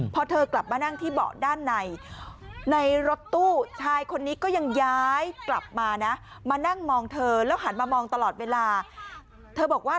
ป้าให้มันลงไปเลยมันจ่ายเงินอย่างงั้นมันจ่ายให้